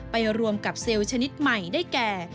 ไปรวมกับเซลล์ชนิดใหม่ได้แก่